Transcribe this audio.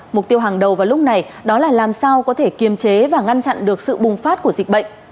mục tiêu hàng đầu vào lúc này đó là làm sao có thể kiềm chế và ngăn chặn được sự bùng phát của dịch bệnh